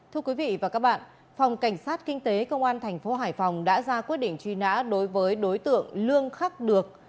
thưa quý vị và các bạn phòng cảnh sát kinh tế công an tp hải phòng đã ra quyết định truy nã đối với đối tượng lương khắc được